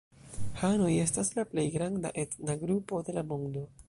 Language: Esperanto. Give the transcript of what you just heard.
Hanoj estas la plej granda etna grupo de la mondo.